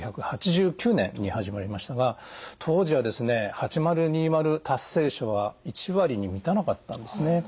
１９８９年に始まりましたが当時はですね８０２０達成者は１割に満たなかったんですね。